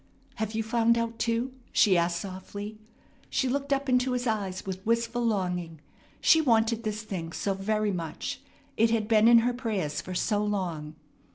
"Have you found out too?" she asked softly. She looked up into his eyes with wistful longing. She wanted this thing so very much. It had been in her prayers for so long.